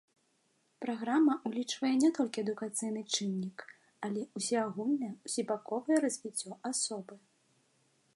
Праграма ўлічвае не толькі адукацыйны чыннік, але ўсеагульнае, усебаковае развіццё асобы.